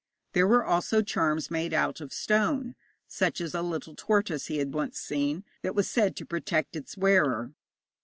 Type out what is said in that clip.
There were also charms made out of stone, such as a little tortoise he had once seen that was said to protect its wearer.